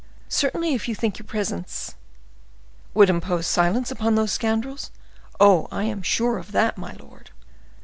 "Certainly, if you think your presence—" "Would impose silence upon those scoundrels? Oh! I am sure of that, my lord."